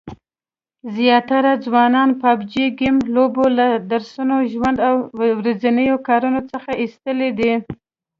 زیاتره ځوانان پابجي ګیم لوبولو له درسونو، ژوند او ورځنیو کارونو څخه ایستلي دي